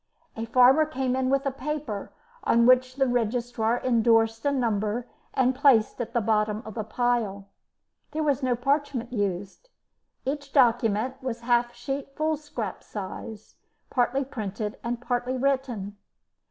A farmer came in with a paper, on which the registrar endorsed a number and placed at the bottom of the pile. There was no parchment used; each document was a half sheet foolscap size, party printed and partly written.